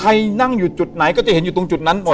นั่งอยู่จุดไหนก็จะเห็นอยู่ตรงจุดนั้นหมด